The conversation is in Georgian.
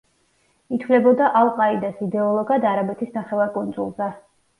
ითვლებოდა ალ-ყაიდას იდეოლოგად არაბეთის ნახევარკუნძულზე.